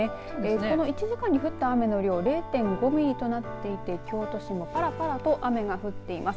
この１時間に降った雨の量０．５ミリとなっていて京都市もぱらぱらと雨が降っています。